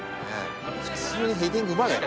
普通にヘディングうまいよね。